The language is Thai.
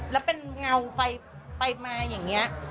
แล้วเป็นเงาไปมาอย่างนี้